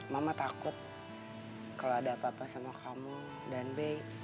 mama takut kalau ada apa apa sama kamu dan b